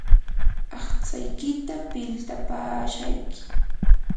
aqtsaykita piltapaashayki.